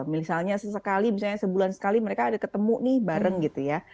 misalnya sesekali misalnya sebulan sekali mereka ada ketemu nih bareng gitu ya